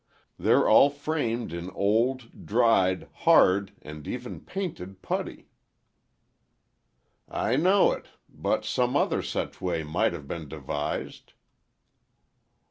They're all framed in old, dried, hard, and even painted putty." "I know it. But some other such way might have been devised."